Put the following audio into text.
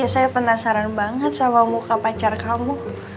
saya penasaran banget sama muka pacar kamu